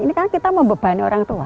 ini kan kita membebani orang tua